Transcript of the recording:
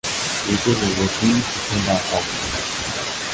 Google will refuse to send out bulk emails